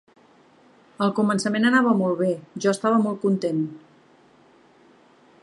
Al començament anava molt bé, jo estava molt content.